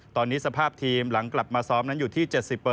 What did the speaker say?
ตอนนี้สภาพทีมหลังกลับมาซ้อมนั้นอยู่ที่๗๐